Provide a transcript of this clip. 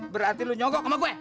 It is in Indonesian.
berarti lu nyogok sama gue